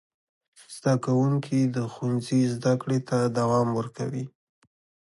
زدهکوونکي د ښوونځي زدهکړې ته دوام ورکوي.